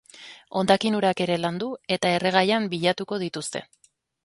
Hondakin-urak ere landu eta erregaian bilatuko dituzte.